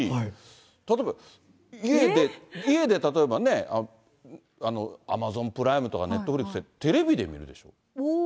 例えば、家で例えばね、アマゾンプライムとかネットフリックスでテレビで見るでしょ？